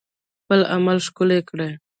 خپل عمل ښکلی کړئ